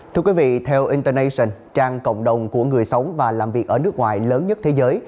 thưa quý vị theo internation trang cộng đồng của người sống và làm việc ở nước ngoài lớn nhất thế giới